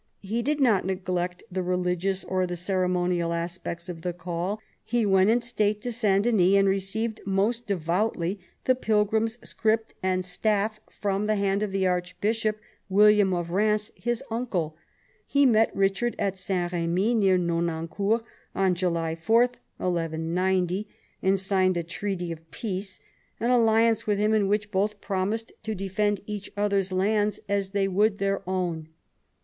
He did not neglect the religious or the ceremonial aspects of the call. He went in state to S. Denys, and received "most devoutly" the pilgrim's scrip and staff from the hand of the archbishop, William of Rheims, his uncle. He met Eichard at S. Remy, near Nonancourt, on July 4, 1190, and signed a treaty of peace, an alliance with him in which both promised to defend each other's lands as they would their own.